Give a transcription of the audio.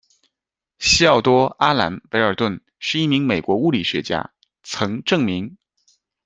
西奥多·阿兰·维尔顿是一名美国物理学者，曾证明。